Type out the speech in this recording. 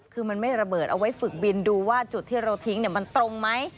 คือมันไม่ระเบิดเอาไว้ฝึกบินดูว่าจุดที่เราทิ้งมันตรงไหม